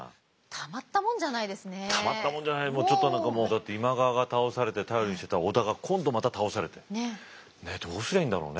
たまったもんじゃないちょっと何かもうだって今川が倒されて頼りにしてた織田が今度また倒されてねっどうすりゃいいんだろうね。